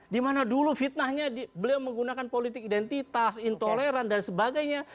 dimana dulu fitnahnya beliau menggunakan politik identitas intoleran dan sebagainya